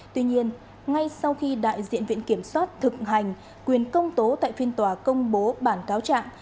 tuy nhiên ngay sau khi đại diện viện kiểm soát thực hành quyền công tố tại phiên tòa công bố bản cáo trạng